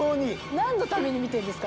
なんのために見てるんですか。